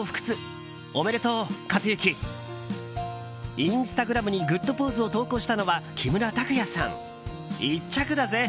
インスタグラムにグッドポーズを投稿したのは木村拓哉さん。